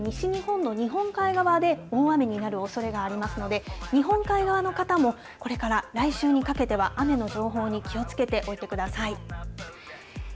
沖縄では梅雨明けが近そうですが、木曜日から金曜日、特に西日本の日本海側で大雨になるおそれがありますので、日本海側の方も、これから来週にかけては雨の情報に気をつけておいてください。